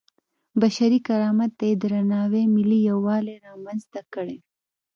بشري کرامت ته یې په درناوي ملي یووالی رامنځته کړی.